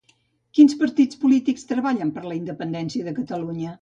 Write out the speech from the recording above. Quins partits polítics treballen per la independència de Catalunya?